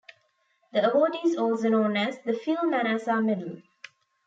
The award is also known as the Phil Manassa Medal.